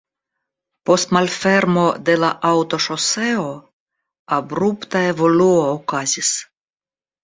Post malfermo de la aŭtoŝoseo abrupta evoluo okazis.